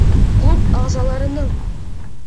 Клуб ағзаларының